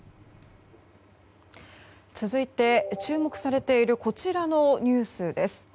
続いて、注目されているこちらのニュースです。